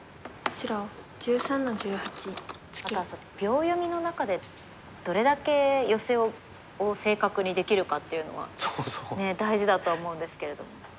秒読みの中でどれだけヨセを正確にできるかっていうのは大事だとは思うんですけれども。